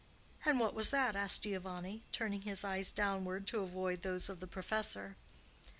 "And what was that?" asked Giovanni, turning his eyes downward to avoid those of the professor.